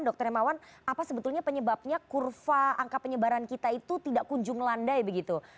dr hemawan apa sebetulnya penyebabnya kurva angka penyebaran kita itu tidak kunjung landai begitu